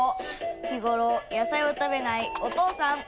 日頃野菜を食べないお父さん。